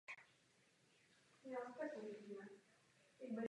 S fotbalem začínal v Moravském Krumlově.